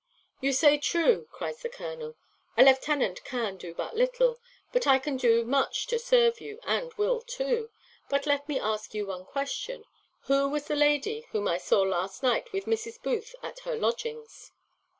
"You say true," cries the colonel; "a lieutenant can do but little; but I can do much to serve you, and will too. But let me ask you one question: Who was the lady whom I saw last night with Mrs. Booth at her lodgings?"